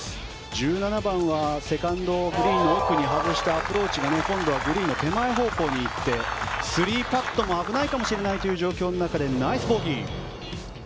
１７番はセカンド奥に外してアプローチがグリーンの手前に行って３パットも危ないかもしれない状況の中でナイスボギー。